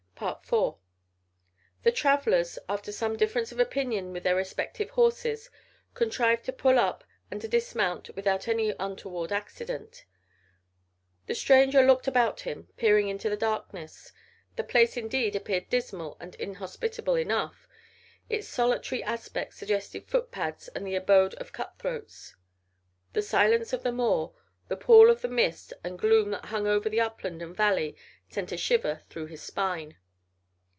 IV The travellers, after some difference of opinion with their respective horses, contrived to pull up and to dismount without any untoward accident. The stranger looked about him, peering into the darkness. The place indeed appeared dismal and inhospitable enough: its solitary aspect suggested footpads and the abode of cut throats. The silence of the moor, the pall of mist and gloom that hung over upland and valley sent a shiver through his spine.